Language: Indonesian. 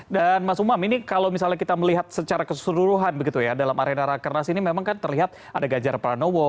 dan mas umam ini kalau misalnya kita melihat secara keseluruhan dalam arena rakeras ini memang kan terlihat ada gajar pranowo